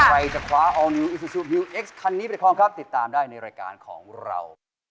ใครจะคว้าอัลนิวอิซระเราติดตามได้ในรายการของเรา